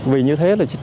vì như thế là